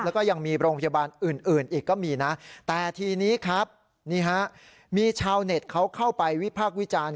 แล้วก็ยังมีโรงพยาบาลอื่นอีกก็มีนะแต่ทีนี้ครับนี่ฮะมีชาวเน็ตเขาเข้าไปวิพากษ์วิจารณ์